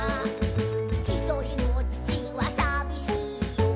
「ひとりぼっちはさびしいよ」